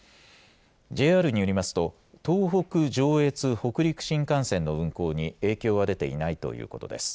ＪＲによりますと、東北、上越、北陸新幹線の運行に影響は出ていないということです。